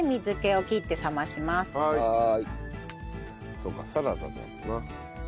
そうかサラダだもんな。